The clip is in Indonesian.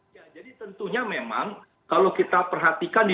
iya jadi tentunya memang kalau kita perhatikan di dua ribu dua puluh